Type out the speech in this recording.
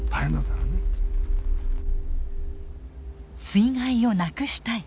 水害をなくしたい。